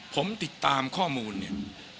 ผมติดตามข้อมูลเนี่ย